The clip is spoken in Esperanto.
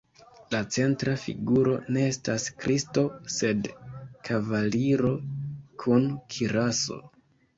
La centra figuro ne estas Kristo sed kavaliro kun kiraso.